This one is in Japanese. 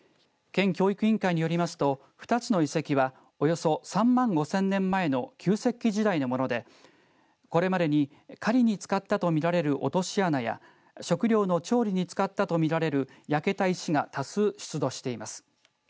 県教育委員会によりますと２つの遺跡はおよそ３万５０００年前の旧石器時代のもので、これまでに狩りに使ったと見られる落とし穴や食料の調理に使ったと見られる焼けた石が多数、出土しています。